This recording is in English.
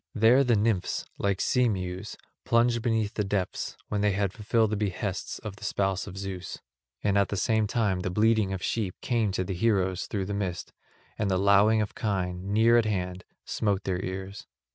There the nymphs, like sea mews, plunged beneath the depths, when they had fulfilled the behests of the spouse of Zeus. And at the same time the bleating of sheep came to the heroes through the mist and the lowing of kine, near at hand, smote their ears.